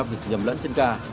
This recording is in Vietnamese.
vì nhầm lẫn chân gà